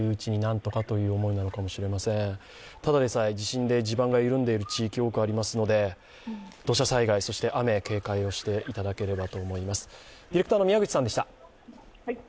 ただでさえ地震で地盤が緩んでいる地域、多くありますので、土砂災害、そして雨警戒していただければと思います。